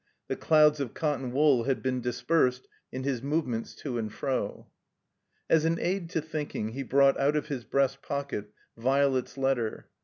The clouds of cotton wool had been dispersed in his movements to and fro. As an aid to thinking he brought out of his breast pocket Violet's letter.